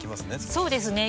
そうですね